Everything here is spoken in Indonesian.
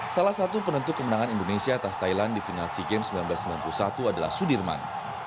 salah satu penentu kemenangan indonesia atas thailand di final sea games seribu sembilan ratus sembilan puluh satu adalah sudirman